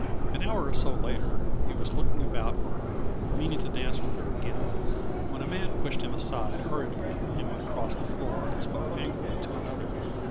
An hour or so later he was looking about for her, meaning to dance with her again, when a man pushed him aside hurriedly and went across the floor and spoke angrily to another.